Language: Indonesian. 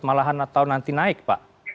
malahan atau nanti naik pak